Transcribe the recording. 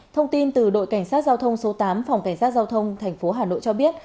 thông tin từ đội cảnh sát giao thông số tám phòng cảnh sát giao thông thành phố hà nội cho biết